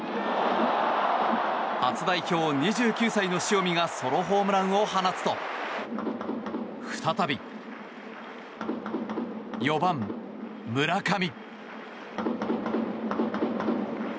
初代表、２９歳の塩見がソロホームランを放つと再び４番、村上。